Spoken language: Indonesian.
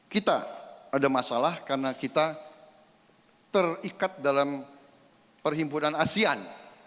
kita ada masalah karena kita terikat dalam perhimpunan asean